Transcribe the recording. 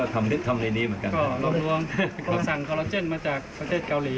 ก็สั่งคอลโลเจนมาจากประเทศเกาหลี